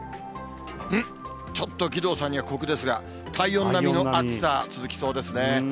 ちょっと義堂さんには酷ですが、体温並みの暑さ、続きそうですね。